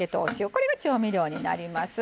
これが調味料になります。